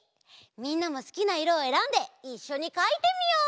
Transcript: みんなもすきないろをえらんでいっしょにかいてみよう！